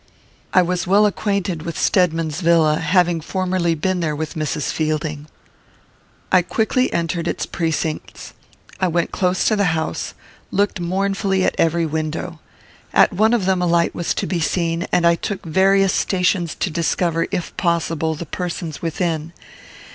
I was well acquainted with Stedman's villa, having formerly been there with Mrs. Fielding. I quickly entered its precincts. I went close to the house; looked mournfully at every window. At one of them a light was to be seen, and I took various stations to discover, if possible, the persons within.